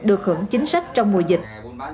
được hưởng chính sách trong mùa dịch